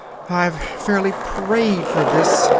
I've fairly prayed for this.